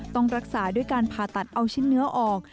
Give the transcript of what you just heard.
ต้องรักษาด้วยการผ่าตัดเอาชิ้นเนื้อออก